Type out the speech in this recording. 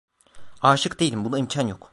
Aşık değilim, buna imkan yok.